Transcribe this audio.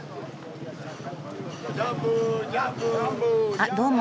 あっどうも。